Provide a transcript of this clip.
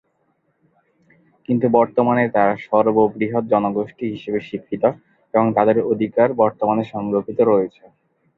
কিন্তু বর্তমানে তারা সর্ববৃহৎ জনগোষ্ঠী হিসেবে স্বীকৃত এবং তাদের অধিকার বর্তমানে সংরক্ষিত রয়েছে।